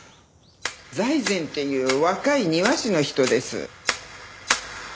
財前っていう若い庭師の人です。